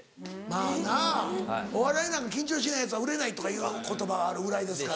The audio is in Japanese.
まぁなお笑いなんか緊張しないヤツは売れないとかいう言葉があるぐらいですから。